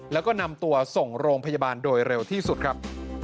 แล้วก็นำตัวส่งโรงพยาบาลโดยเร็วที่สุดครับ